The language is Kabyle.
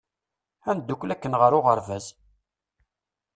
Ad ndukkel akken ɣer uɣeṛbaz!